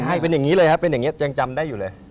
ใช่เป็นอย่างนี้เลยครับเป็นอย่างนี้ยังจำได้อยู่เลย